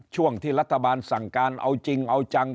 ช่วงที่รัฐบาลสั่งการเอาจริงเอาจัง